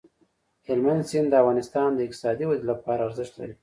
هلمند سیند د افغانستان د اقتصادي ودې لپاره ارزښت لري.